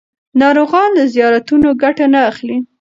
ناروغان له زیارتونو ګټه نه اخلي.